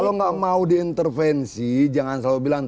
kalau nggak mau diintervensi jangan selalu bilang